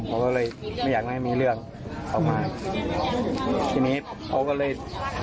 เขาก็เลยไม่อยากให้มีเรื่องออกมาทีนี้เขาก็เลย